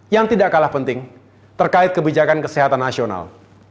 yang tidak kalah penting terkait kebijakan kesehatan nasional